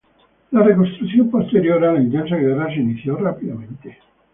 La reconstrucción posterior a la intensa guerra se inició rápidamente.